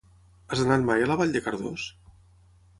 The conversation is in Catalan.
Has anat mai a la Vall de Cardós?